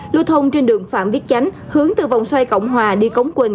lưu thông trên đường phạm viết chánh hướng từ vòng xoay cộng hòa đi cống quỳnh